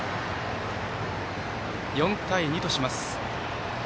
４対２とします。